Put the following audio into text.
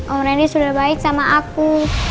om rendi sudah baik sama aku